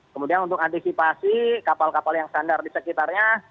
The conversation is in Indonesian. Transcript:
kemudian untuk antisipasi kapal kapal yang standar di sekitarnya